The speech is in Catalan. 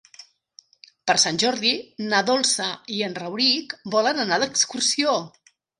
Per Sant Jordi na Dolça i en Rauric volen anar d'excursió.